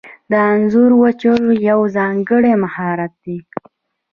د انځرو وچول یو ځانګړی مهارت دی.